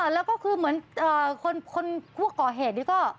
แล้วก็คือเหมือนคนพวกก่อเหตุนี้ก็